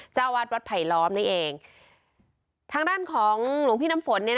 เจ้าวัดวัดไผลล้อมนี่เองทางด้านของหลวงพี่น้ำฝน